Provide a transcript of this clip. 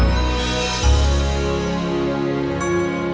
tidak semudah itu anak muda